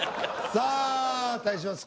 さあ対します